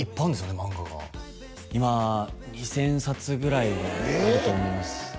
漫画が今２０００冊ぐらいはあると思いますええ！？